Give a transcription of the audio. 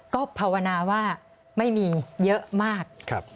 ก็ภาวนาว่าไม่มีเยอะมาก